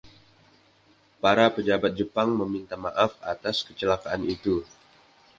Para pejabat Jepang meminta maaf atas kecelakaan itu.